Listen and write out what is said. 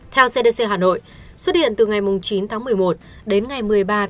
theo cdc hà nội xuất hiện từ ngày chín một mươi một đến ngày một mươi ba một mươi một